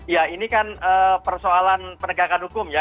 ya ini kan persoalan penegakan hukum ya